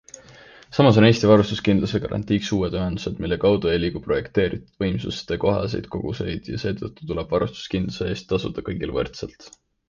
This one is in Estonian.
Samas on Eesti varustuskindluse garandiks uued ühendused, mille kaudu ei liigu projekteeritud võimsuste kohaseid koguseid ja seetõttu tuleb varustuskindluse eest tasuda kõigil võrdselt.